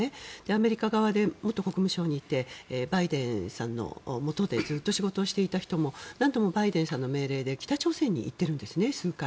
アメリカ側で元国務省にいてバイデンさんのもとでずっと仕事をしていた人もなんともバイデンさんの命令で北朝鮮に行っているんです、数回。